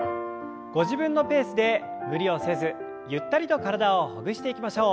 ご自分のペースで無理をせずゆったりと体をほぐしていきましょう。